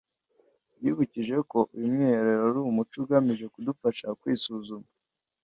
Yibukije ko uyu mwiherero ari umuco ugamije kudufasha kwisuzuma